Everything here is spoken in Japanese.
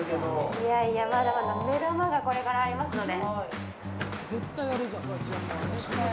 いやいや、まだまだ目玉がこれからありますので。